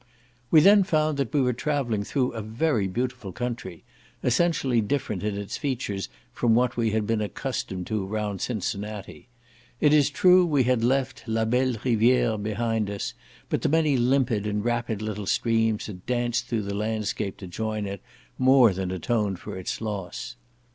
We then found that we were travelling through a very beautiful country, essentially different in its features from what we had been accustomed to round Cincinnati: it is true we had left "la belle rivière" behind us, but the many limpid and rapid little streams that danced through the landscape to join it, more than atoned for its loss.